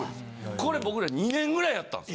これ僕ら２年ぐらいやったんです。